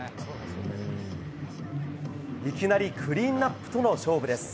いきなりクリーンアップとの勝負です。